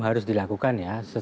harus dilakukan ya